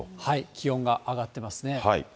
気温が上がってますね。